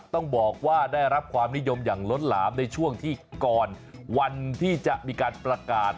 ต้องบอกว่าได้รับความนิยมอย่างล้นหลามในช่วงที่ก่อนวันที่จะมีการประกาศ